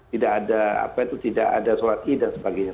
tidak ada apa itu tidak ada sholat id dan sebagainya